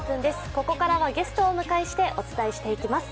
ここからはゲストをお迎えしてお伝えしていきます。